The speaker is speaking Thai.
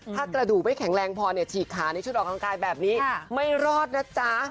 ถ้ากระดูกไม่แข็งแรงพอเนี่ยฉีกขาในชุดออกกำลังกายแบบนี้ไม่รอดนะจ๊ะ